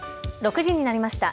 ６時になりました。